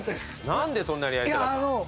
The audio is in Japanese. なんでそんなにやりたかったの？